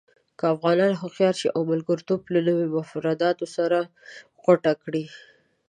که افغانان هوښیار شي او ملګرتوب له نویو مفاداتو سره غوټه کړي.